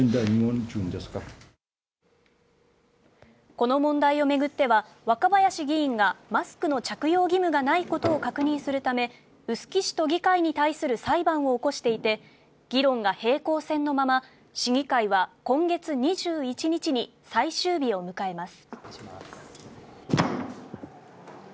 この問題を巡っては、若林議員がマスクの着用義務がないことを確認するため臼杵市と議会に対する裁判を起こしていて議論が平行線のまま市議会は今月２１日に最終日を迎えます。